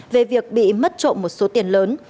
về việc bị mất trộm một số tiền lớn